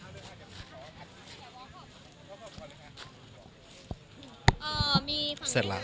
เสร็จแล้ว